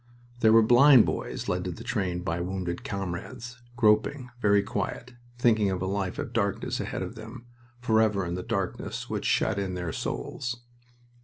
There were blind boys led to the train by wounded comrades, groping, very quiet, thinking of a life of darkness ahead of them forever in the darkness which shut in their souls.